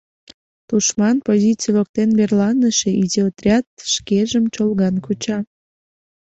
Тушман позиций воктен верланыше изи отряд шкежым чолган куча.